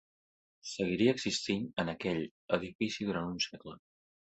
Seguiria existint en aquell edifici durant un segle.